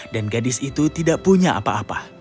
dan gadis itu tidak punya apa apa